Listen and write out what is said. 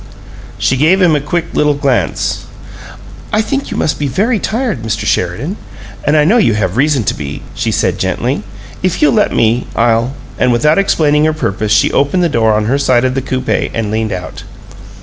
She gave him a quick little glance. "I think you must be very tired, Mr. Sheridan; and I know you have reason to be," she said, gently. "If you'll let me, I'll " And without explaining her purpose she opened the door on her side of the coupe and leaned out.